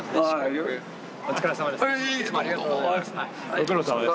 ご苦労さまです。